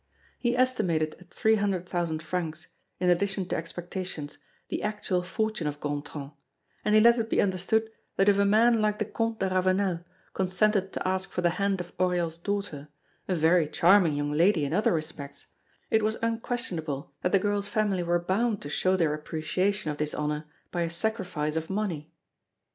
He estimated at three hundred thousand francs, in addition to expectations, the actual fortune of Gontran, and he let it be understood that if a man like the Comte de Ravenel consented to ask for the hand of Oriol's daughter, a very charming young lady in other respects, it was unquestionable that the girl's family were bound to show their appreciation of this honor by a sacrifice of money.